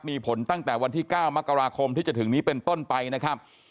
มีผลตั้งแต่วันที่๙มกราคมที่จะถึงนี้เป็นต้นไปนะครับ